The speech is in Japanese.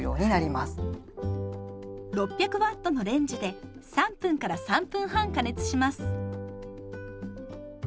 ６００Ｗのレンジで３分から３分半加熱します。